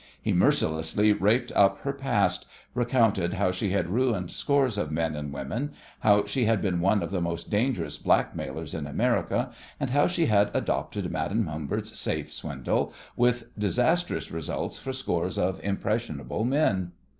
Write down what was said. He mercilessly raked up her past, recounted how she had ruined scores of men and women, how she had been one of the most dangerous blackmailers in America, and how she had adopted Madame Humbert's "safe" swindle, with disastrous results for scores of impressionable men.